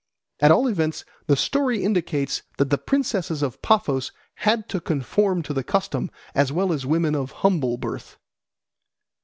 At all events the story indicates that the princesses of Paphos had to conform to the custom as well as women of humble birth.